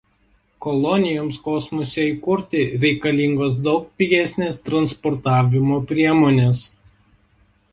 Kolonijoms kosmose įkurti reikalingos daug pigesnės transportavimo priemonės.